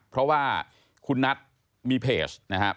เพราะว่าคุณนัทมีเพจนะครับ